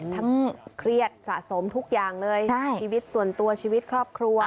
เครียดสะสมทุกอย่างเลยชีวิตส่วนตัวชีวิตครอบครัว